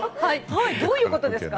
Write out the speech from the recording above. どういうことですか？